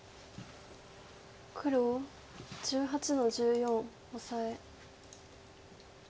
黒１８の十四オサエ。